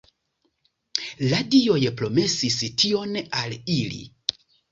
La dioj promesis tion al ili.